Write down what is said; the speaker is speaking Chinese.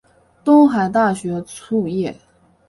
东海大学卒业。